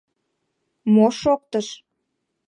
Мо шоктыш?